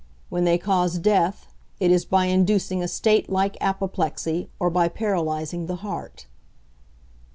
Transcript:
When they cause death, it is by inducing a state like apoplexy or by paralyzing the heart.